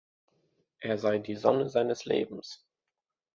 Er sei die Sonne seines Lebens.